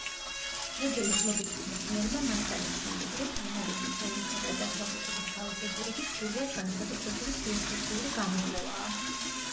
ჰეგელის „ლოგიკის მეცნიერება“ მასალის სიმდიდრით, ანალიზის სიღრმითა და დასაბუთების თავისებურებით სრულიად განსაკუთრებული ფილოსოფიური გამოკვლევაა.